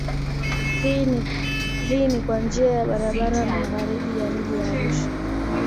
Hii ni kwa njia ya barabara magharibi ya mji wa Arusha